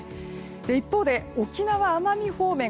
一方で沖縄、奄美方面。